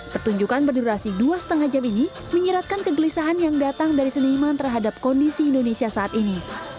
pertunjukan berdurasi dua lima jam ini menyiratkan kegelisahan yang datang dari seniman terhadap kondisi indonesia saat ini